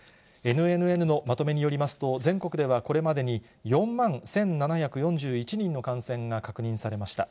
ＮＮＮのまとめによりますと、全国ではこれまでに、４万１７４１人の感染が確認されました。